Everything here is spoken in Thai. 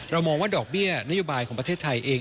มองว่าดอกเบี้ยนโยบายของประเทศไทยเอง